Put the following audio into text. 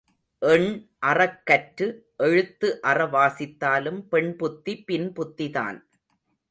எண் அறக் கற்று எழுத்து அற வாசித்தாலும் பெண்புத்தி பின் புத்திதான்.